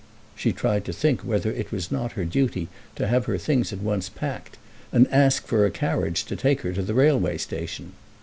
She tried to think whether it was not her duty to have her things at once packed, and ask for a carriage to take her to the railway station.